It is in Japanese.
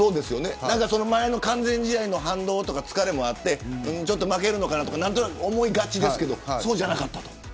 前の完全試合の反動とか疲れもあって負けるのかなとか何となく思いがちですけれどそうじゃなかったと。